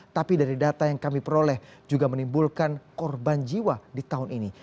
tapi dari data yang kami peroleh juga menimbulkan korban jiwa di tahun ini